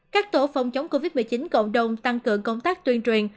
các tổ phòng chống covid một mươi chín cộng đồng tăng cường công tác tuyên truyền